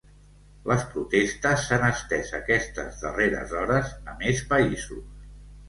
Les protestes s’han estès aquestes darreres hores a més països.